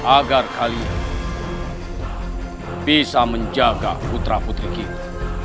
agar kalian bisa menjaga putra putri kita